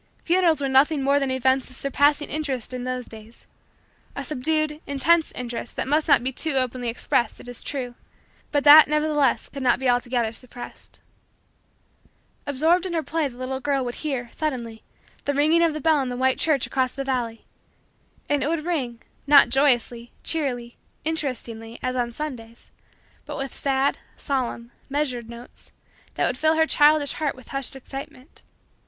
Funerals were nothing more than events of surpassing interest in those days a subdued, intense, interest that must not be too openly expressed, it is true, but that nevertheless could not be altogether suppressed. Absorbed in her play the little girl would hear, suddenly, the ringing of the bell in the white church across the valley; and it would ring, not joyously, cheerily, interestingly, as on Sundays but with sad, solemn, measured, notes, that would fill her childish heart with hushed excitement.